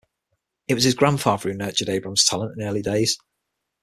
It was his grandfather who nurtured Abraham's talent in early days.